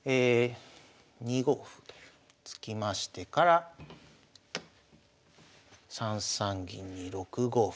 ２五歩と突きましてから３三銀に６五歩。